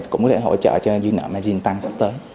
cũng có thể hỗ trợ cho dưới nợ margin tăng sắp tới